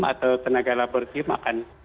atau tenaga laboratorium akan